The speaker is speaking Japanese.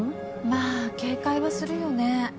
まあ警戒はするよね。